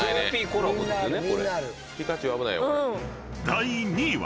［第２位は］